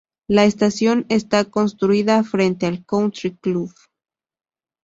La estación está construida frente al Country Club.